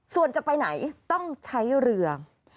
ส่วนจะไปไหนต้องใช้เรือ